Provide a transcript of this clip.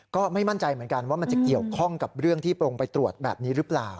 ก็ไม่มั่นใจเหมือนกันว่ามันจะเกี่ยวข้องกับเรื่องที่โปรงไปตรวจแบบนี้หรือเปล่า